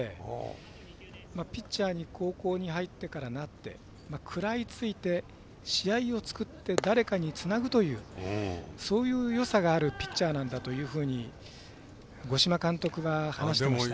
ピッチャーに高校に入ってから、なって食らいついて試合を作って誰かにつなぐというそういうよさがあるピッチャーなんだというふうに五島監督は話していました。